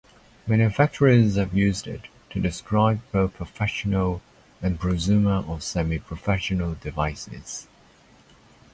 Manufacturers have used it to describe both professional and prosumer or "Semi-Professional" devices.